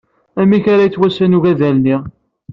Amek ara yettwasnes ugdal-nni.